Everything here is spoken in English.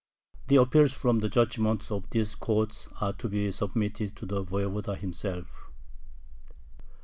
The appeals from the judgments of this court are to be submitted to the voyevoda himself.